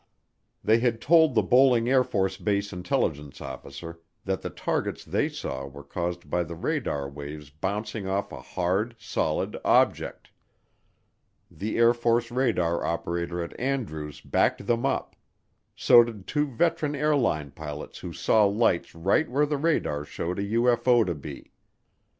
They had told the Bolling AFB intelligence officer that the targets they saw were caused by the radar waves' bouncing off a hard, solid object. The Air Force radar operator at Andrews backed them up; so did two veteran airline pilots who saw lights right where the radar showed a UFO to be.